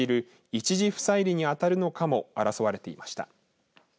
一事不再理にあたるのかも争われていました。